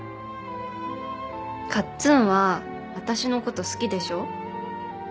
カッツンは私のこと好きでしょ。